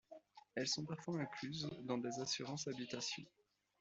Elles sont parfois incluses dans des assurances-habitation.